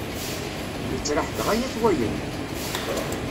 Yettraḥ-d ɣaya-t wayen!